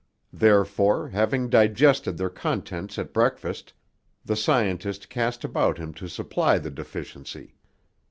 Therefore, having digested their contents at breakfast, the scientist cast about him to supply the deficiency.